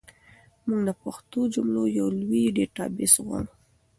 موږ د پښتو جملو یو لوی ډیټابیس غواړو.